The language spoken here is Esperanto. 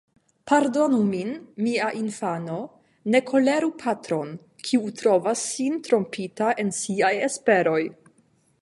Pardonu min, mia infano; ne koleru patron, kiu trovas sin trompita en siaj esperoj.